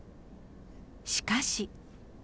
しかし。